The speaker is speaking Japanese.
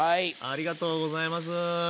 ありがとうございます。